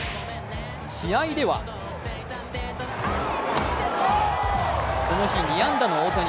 試合ではこの日、２安打の大谷。